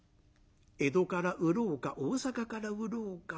江戸から売ろうか大坂から売ろうか。